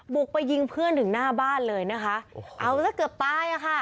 บุกไปยิงเพื่อนถึงหน้าบ้านเลยนะคะเอาซะเกือบตายอ่ะค่ะ